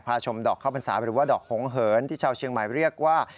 ชมดอกข้าวพรรษาหรือว่าดอกหงเหินที่ชาวเชียงใหม่เรียกว่า